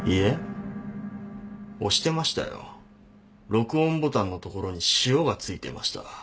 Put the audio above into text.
録音ボタンのところに塩が付いてました。